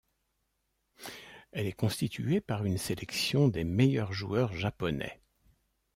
Elle est constituée par une sélection des meilleurs joueurs japonais.